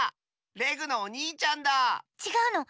レグのおにいちゃんだ！ちがうの。